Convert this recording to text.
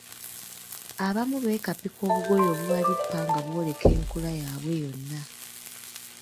Abamu beekapika obugoye obubalippa nga bw‘oleka enkula yaabwe yonna.